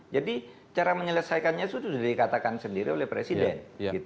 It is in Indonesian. jadi cara menyelesaikannya sudah dikatakan sendiri oleh presiden